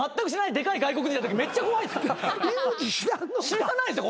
知らないですよ